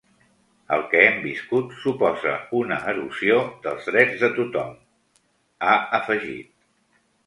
El que hem viscut suposa una erosió dels drets de tothom, ha afegit.